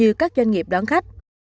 cũng như các doanh nghiệp đón khách